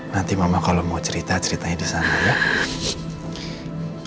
nanti mama kalau mau cerita ceritanya di sana ya